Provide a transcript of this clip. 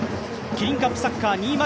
キリンカップサッカー２０２２